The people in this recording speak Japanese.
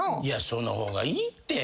その方がいいって。